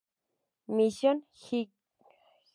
Mission Highlights.